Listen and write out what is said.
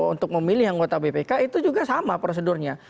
untuk memilih anggota bpk itu juga sama prosedurnya